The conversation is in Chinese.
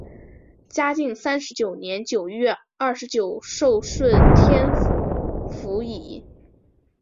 嘉靖三十九年九月廿九授顺天府府尹。